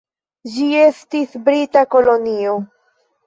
Ĝi estis brita kolonio.